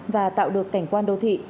và tạo được cảnh quan đô thị